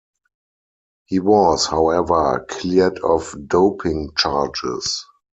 He was, however, cleared of doping charges.